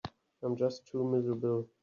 I'm just too miserable.